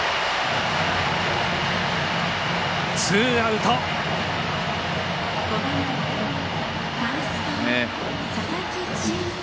ツーアウトです。